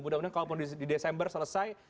mudah mudahan kalaupun di desember selesai